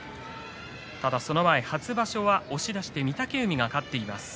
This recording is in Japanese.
ただ、その前の初場所は押し出しで御嶽海が勝っています。